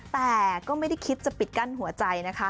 แต่ก็ไม่ได้คิดจะปิดกั้นหัวใจนะคะ